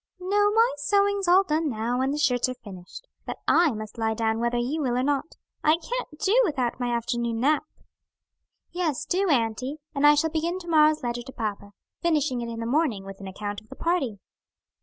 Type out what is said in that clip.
"No, my sewing's all done now that the shirts are finished. But I must lie down whether you will or not. I can't do without my afternoon nap." "Yes, do, auntie; and I shall begin to morrow's letter to papa; finishing it in the morning with an account of the party."